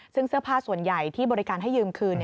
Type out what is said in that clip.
ซึ่งเสื้อผ้าส่วนใหญ่ที่บริการให้ยืมคืน